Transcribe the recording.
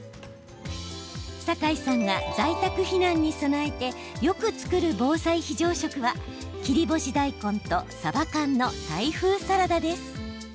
サカイさんが在宅避難に備えてよく作る防災非常食は切り干し大根と、さば缶のタイ風サラダです。